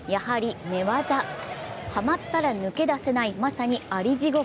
はまったら抜け出せない、まさにありじ